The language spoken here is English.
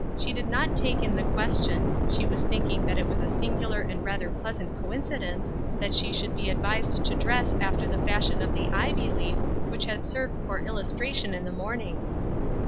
She did not take in the ques tion; she was thinking that it was a singular and a rather pleasant coincidence that she should be advised to dress after the fashion of the ivy leaf which had served for illustration in the morning.